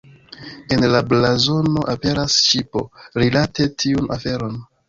En la blazono aperas ŝipo rilate tiun aferon.